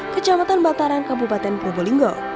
kecamatan bataran kabupaten probolinggo